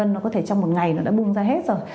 nó có thể trong một ngày nó đã bung ra hết rồi